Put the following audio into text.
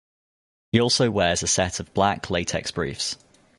He also wears a set of black latex briefs.